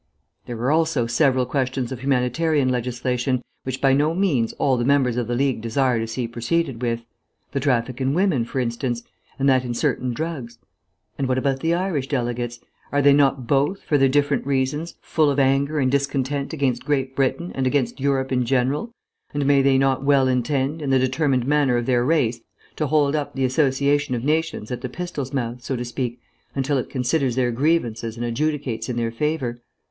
There are also several questions of humanitarian legislation, which by no means all the members of the League desire to see proceeded with the traffic in women, for instance, and that in certain drugs. And what about the Irish delegates? Are they not both, for their different reasons, full of anger and discontent against Great Britain and against Europe in general, and may they not well intend, in the determined manner of their race, to hold up the association of nations at the pistol's mouth, so to speak, until it considers their grievances and adjudicates in their favour?